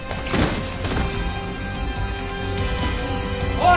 おい！